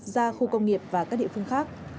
ra khu công nghiệp và các địa phương khác